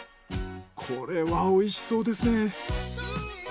これは美味しそうですね。